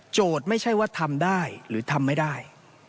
ไม่ใช่ว่าทำได้หรือทำไม่ได้